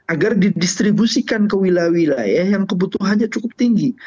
agar didistribusikan ke wilayah wilayah yang kebutuhannya cukup tinggi